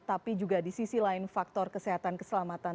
tapi juga di sisi lain faktor kesehatan keselamatan